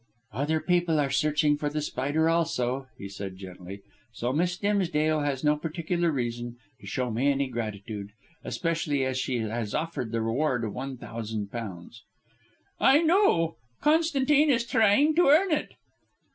"Other people are searching for The Spider also," he said gently, "so Miss Dimsdale has no particular reason to show me any gratitude, especially as she has offered the reward of one thousand pounds." "I know. Constantine is trying to earn it."